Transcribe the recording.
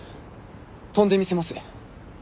跳んでみせます。